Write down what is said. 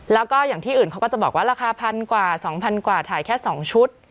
แล้วก็อย่างที่อื่นเขาก็จะบอกว่าราคา๑๐๐กว่า๒๐๐กว่าถ่ายแค่๒ชุด